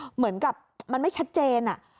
เหมือนกับมันไม่ชัดเจน